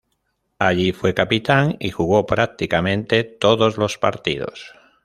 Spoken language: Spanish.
Allí fue capitán y jugó prácticamente todos los partidos.